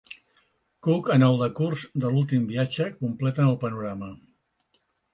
Cook en el decurs de l'últim viatge completen el panorama.